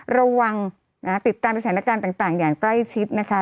ระวังติดตามสถานการณ์ต่างอย่างใกล้ชิดนะคะ